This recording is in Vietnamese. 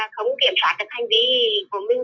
không kiểm soát được hành vi của mình